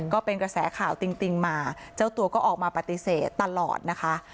ก็เป็นกระแสข่าวติงมาเจ้าตัวก็ออกมาปฏิเสธตลอดนะคะ